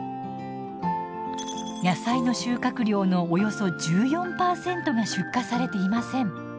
野菜の収穫量のおよそ１４％が出荷されていません。